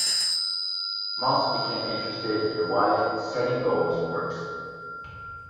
Maltz became interested in why setting goals works.